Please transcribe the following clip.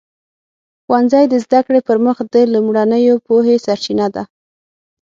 ښوونځی د زده کړې پر مخ د لومړنیو پوهې سرچینه ده.